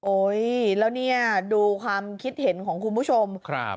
แล้วเนี่ยดูความคิดเห็นของคุณผู้ชม